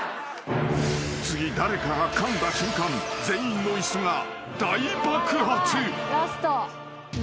［次誰かがかんだ瞬間全員の椅子が大爆発］